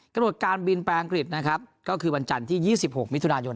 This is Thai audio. กระโดดการบินไปอังกฤษนะครับก็คือวันจันทร์ที่ยี่สิบหกมิถุนายน